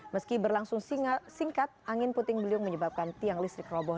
meski berlangsung singkat angin puting beliung menyebabkan tiang listrik roboh